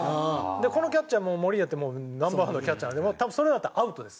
このキャッチャーもモリーナってナンバー１のキャッチャーで多分それだったらアウトです。